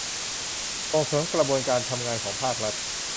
ส่งเสริมกระบวนการการทำงานของภาครัฐ